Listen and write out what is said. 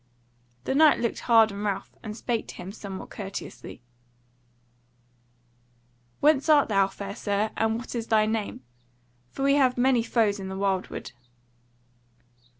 The Knight looked hard on Ralph, and spake to him somewhat courteously: "Whence art thou, fair Sir, and what is thy name? for we have many foes in the wildwood."